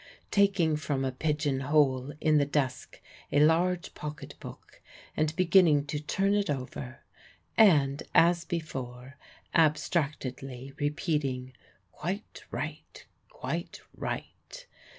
taking from a pigeon hole in the desk a large pocket book, and beginning to turn it over; and, as before, abstractedly repeating, "Quite right, quite right?"